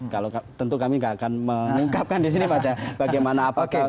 kalau tentu kami gak akan mengungkapkan disini pak jarod bagaimana apakah